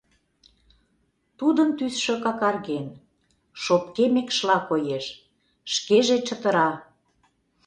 Тудын тӱсшӧ какарген, шопке мекшла коеш, шкеже чытыра.